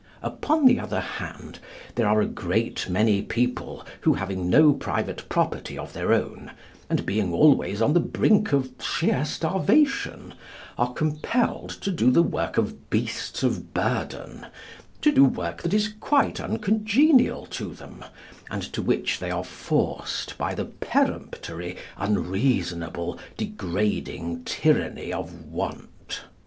Upon the other hand, there are a great many people who, having no private property of their own, and being always on the brink of sheer starvation, are compelled to do the work of beasts of burden, to do work that is quite uncongenial to them, and to which they are forced by the peremptory, unreasonable, degrading Tyranny of want.